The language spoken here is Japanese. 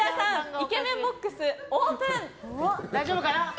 イケメンボックスオープン！